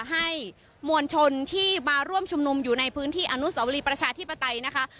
ให้มวลชนที่มาร่วมชุมนุมอยู่ในพื้นที่อนุสวรีประชาธิปไตยนะคะ